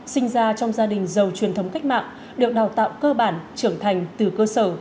sinh ra trong gia đình giàu truyền thống cách mạng được đào tạo cơ bản trưởng thành từ cơ sở